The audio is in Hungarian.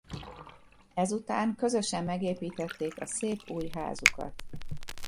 Ezután közösen megépítették a szép új házukat.